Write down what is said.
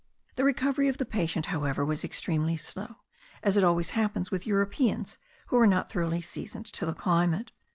The recovery of the patient however was extremely slow, as it always happens with Europeans who are not thoroughly seasoned to the climate.